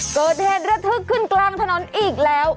เกิดเหตุระทึกขึ้นกลางถนนอีกแล้ว